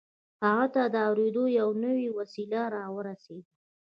هغه ته د اورېدلو يوه نوې وسيله را ورسېده.